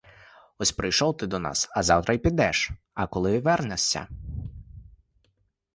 Ось прийшов ти до нас, а завтра й підеш, а коли вернешся?